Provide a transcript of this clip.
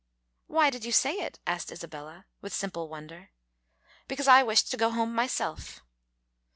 "Why did you say it?" asked Isabella, with simple wonder. "Because I wished to go home myself."